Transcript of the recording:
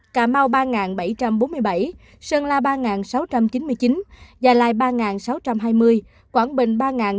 cà mau ba bảy trăm bốn mươi bảy sơn la ba sáu trăm chín mươi chín già lai ba sáu trăm hai mươi quảng bình ba năm trăm bốn mươi